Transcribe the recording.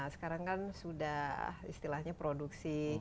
sekarang kan sudah istilahnya produksi